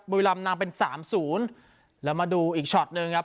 บุรีรำนำเป็นสามศูนย์แล้วมาดูอีกช็อตหนึ่งครับ